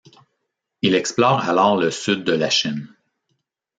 Il explore alors le sud de la Chine.